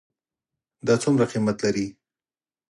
دا څومره قیمت لري ?